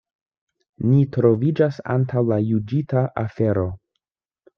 Ni troviĝas antaŭ la juĝita afero.